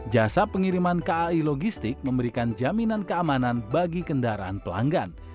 jasa pengiriman kai logistik memberikan jaminan keamanan bagi kendaraan pelanggan